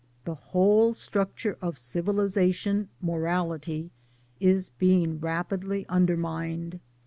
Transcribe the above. The whole structure of civilization morality is being rapidly undermined.